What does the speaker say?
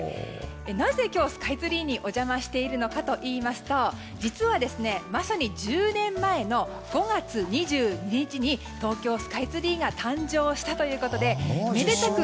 なぜ今日、スカイツリーにお邪魔しているのかといいますと実は、まさに１０年前の５月２２日に東京スカイツリーが誕生したということでめでたく